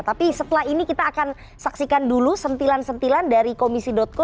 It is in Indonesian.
tapi setelah ini kita akan saksikan dulu sentilan sentilan dari komisi co